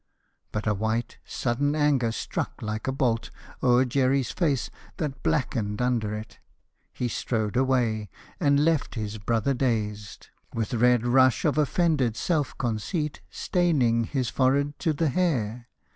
But a white, sudden anger struck like a bolt O'er Jerry's face, that blackened under it: He strode away, and left his brother dazed, With red rush of offended self conceit Staining his forehead to the hair.